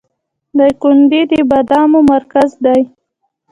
دایکنډي د بادامو مرکز دی